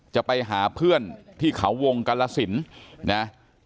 จะไปหาเพื่อนที่เขาวงกลัลล่ะสินน่ะอ่า